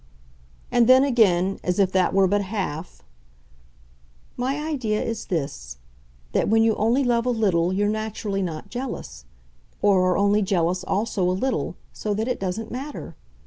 And then again, as if that were but half: "My idea is this, that when you only love a little you're naturally not jealous or are only jealous also a little, so that it doesn't matter.